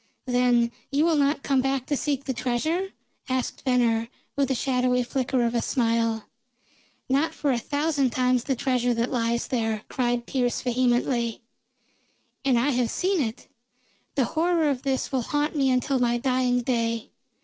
"Then you will not come back to seek the treasure?" asked Venner, with a shadowy flicker of a smile. "Not for a thousand times the treasure that lies there!" cried Pearse vehemently. "And I have seen it! The horror of this will haunt me until my dying day.